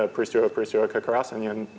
peristiwa peristiwa kekerasan yang